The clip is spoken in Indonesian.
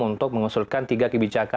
untuk mengusulkan tiga kebijaksanaan